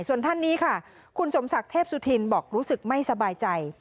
ส่วนท่านนี้ค่ะคุณสมศักดิ์เทพสุธินบอกรู้สึกไม่สบายใจ